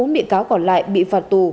bốn bị cáo còn lại bị phạt tù